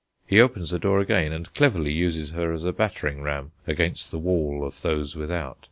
He opens the door again, and cleverly uses her as a battering ram against the wall of those without.